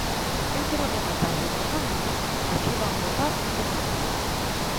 Eu quero rematar recordándolles a que van votar que non.